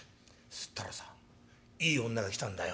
すったらさいい女が来たんだよ」。